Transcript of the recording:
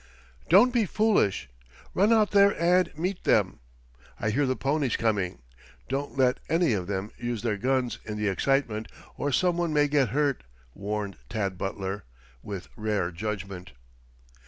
"Don't be foolish. Run out there and meet them. I hear the ponies coming. Don't let any of them use their guns, in the excitement, or some one may get hurt," warned Tad Butler, with rare judgment.